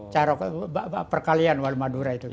carok itu perkalian wal madura itu kan